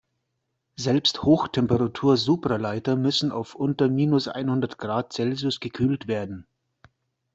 Selbst Hochtemperatur-Supraleiter müssen auf unter minus einhundert Grad Celsius gekühlt werden.